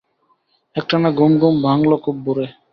একটানা ঘুম ঘুম ভাঙল খুব ভোরে।